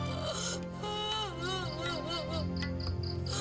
kayak gini apanya penyok sih